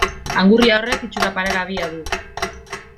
Angurria horrek itxura paregabea du.